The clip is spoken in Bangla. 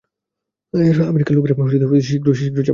আমেরিকার লোকেরা শীঘ্রই ছাপা কাগজগুলি পাবে।